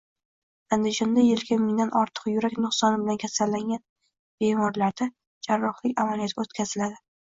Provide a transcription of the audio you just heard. Andijonda yiliga mingdan ortiq yurak nuqsoni bilan kasallangan bemorlarda jarrohlik amaliyoti o‘tkaziladi